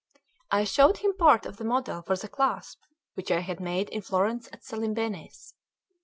I showed him part of the model for the clasp which I had made in Florence at Salimbene's.